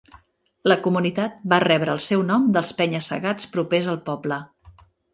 La comunitat va rebre el seu nom dels penya-segats propers al poble.